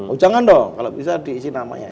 oh jangan dong kalau bisa diisi namanya